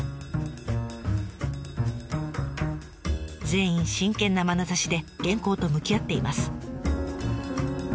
全員真剣なまなざしで原稿と向き合っています。